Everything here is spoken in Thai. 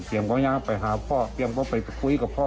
เพียงไปหาพ่อเพียงไปพูดกับพ่อ